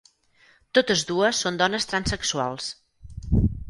Totes dues són dones transsexuals.